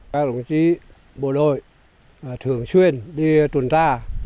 các đồng chí bộ đội thường xuyên đi tuần tra